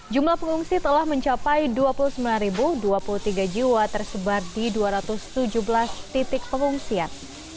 jumlah pengungsi telah mencapai dua puluh sembilan dua puluh tiga jiwa tersebar di dua ratus tujuh belas titik pengungsian